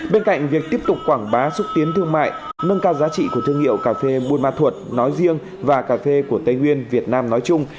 bên cạnh việc tiếp tục quảng bá xúc tiến thương mại nâng cao giá trị của thương hiệu cà phê buôn ma thuột nói riêng và cà phê của tây nguyên việt nam nói chung